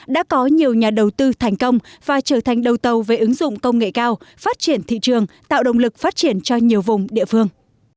đã có nhiều nhà đầu tư thành công và trở thành đầu tàu về ứng dụng công nghệ cao phát triển thị trường tạo động lực phát triển cho nhiều vùng địa phương